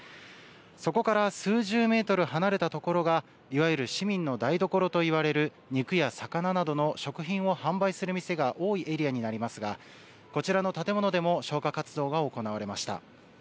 そこから数十メートル離れたところがいわゆる市民の台所といわれる肉や魚などの食品を販売する店が多いエリアになりますがこちらの建物でも消火活動が行われました。